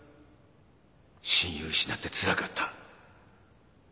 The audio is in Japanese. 親友失ってつらかった。